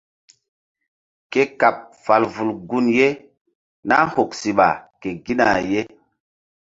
Ke kaɓ fal vul gun ye nah huk siɓa ke gina ye.